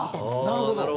なるほど。